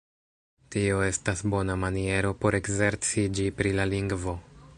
Tio estas bona maniero por ekzerciĝi pri la lingvo.